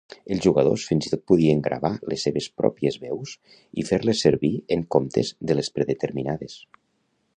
Els jugadors fins i tot podien gravar les seves pròpies veus i fer-les servir en comptes de les predeterminades.